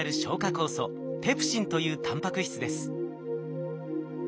酵素ペプシンというタンパク質です。